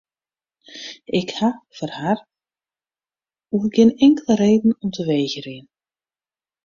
Ik ha foar har oer gjin inkelde reden om te wegerjen.